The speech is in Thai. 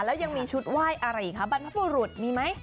แล้วยังมีชุดไหว้อะไรอีกคะบรรพบุรุษมีไหม